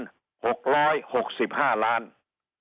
เป็นบ้านพักในธุรกรายประวัติบันทรมาน๗๐พันต้น